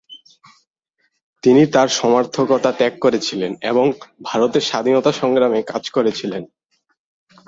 তিনি তার সমর্থকতা ত্যাগ করেছিলেন এবং ভারতের স্বাধীনতা সংগ্রামে কাজ করেছিলেন।